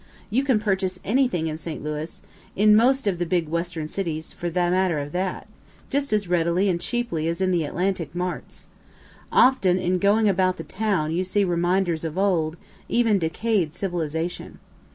You can purchase anything in St. Louis (in most of the big western cities for the matter of that) just as readily and cheaply as in the Atlantic marts. Often in going about the town you see reminders of old, even decay'd civilization.